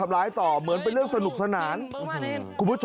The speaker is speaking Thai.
ประเภทประเภทประเภท